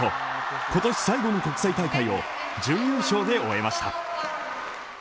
今年最後の国際大会を準優勝で終えました。